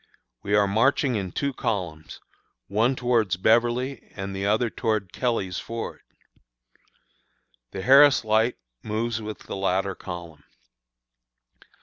We are marching in two columns, one towards Beverly and the other towards Kelly's, Fords. The Harris Light moves with the latter column.